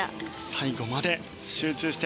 最後まで集中して。